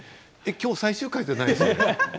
今日、最終回じゃないですよね？